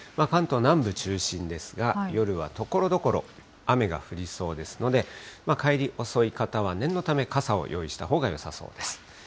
関東南部中心ですが、夜はところどころ、雨が降りそうですので、帰り遅い方は念のため、傘を用意したほうがよさそうです。